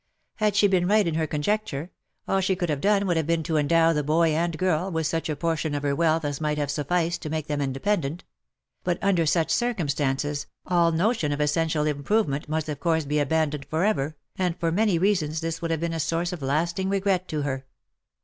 Had she been right in her conjecture, all she could have done would have been to endow the boy and girl with such a portion of her wealth as might have sufficed to make them independent ; but under such OF MICHAEL ARMSTRONG. 381 circumstances, all notion of essential improvement must of course be abandoned for ever, and for many reasons this would have been a source of lasting regret to her.